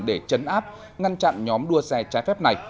để chấn áp ngăn chặn nhóm đua xe trái phép này